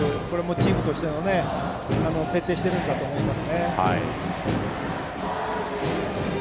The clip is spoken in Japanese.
チームとして徹底しているんだと思います。